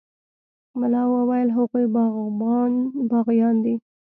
ملا وويل هغوى باغيان دي.